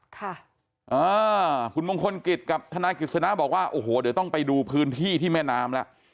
ค่ะอ่าคุณมงคลกิจกับทนายกฤษณะบอกว่าโอ้โหเดี๋ยวต้องไปดูพื้นที่ที่แม่น้ำแล้ว